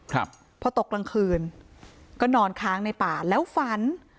ครับพอตกกลางคืนก็นอนค้างในป่าแล้วฝัน